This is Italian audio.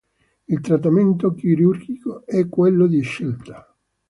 Il trattamento chirurgico è quello di scelta.